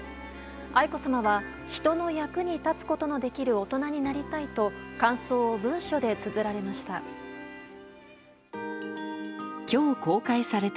愛子さまは人の役に立つことのできる大人になりたいと感想を文書でつづられました。